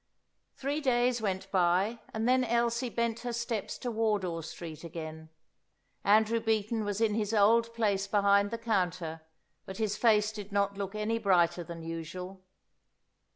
Three days went by, and then Elsie bent her steps to Wardour Street again. Andrew Beaton was in his old place behind the counter, but his face did not look any brighter than usual.